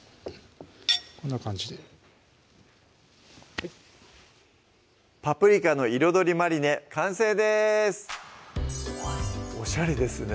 こんな感じで「パプリカの彩りマリネ」完成ですおしゃれですね